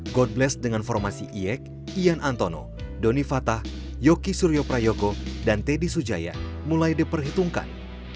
god bless dengan formasi iyek ian antono donny fathah yoki suryoprayogo dan teddy sujaya mulai diperhitungkan